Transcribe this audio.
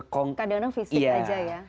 kadang kadang fisik aja ya